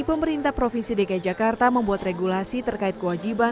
pemerintah provinsi dki jakarta membuat regulasi terkait kewajiban